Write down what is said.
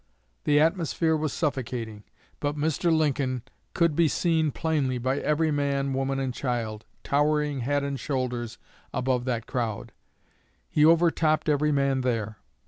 The atmosphere was suffocating; but Mr. Lincoln could be seen plainly by every man, woman, and child, towering head and shoulders above that crowd; he overtopped every man there.